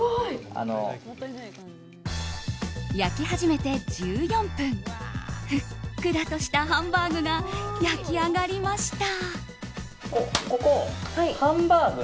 焼き始めて１４分ふっくらとしたハンバーグが焼き上がりました。